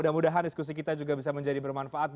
mudah mudahan diskusi kita juga bisa menjadi bermanfaat